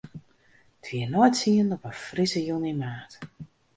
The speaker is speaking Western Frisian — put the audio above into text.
It wie nei tsienen op in frisse jûn yn maart.